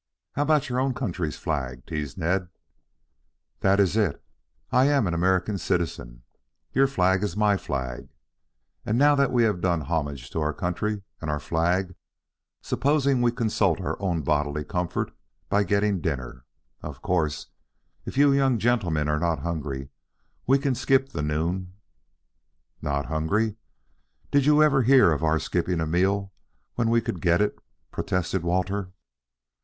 "How about your own country's flag?" teased Ned. "That is it. I am an American citizen. Your flag is my flag. And now that we have done homage to our country and our flag, supposing we consult our own bodily comfort by getting dinner. Of course, if you young gentlemen are not hungry we can skip the noon " "Not hungry? Did you ever hear of our skipping a meal when we could get it?" protested Walter.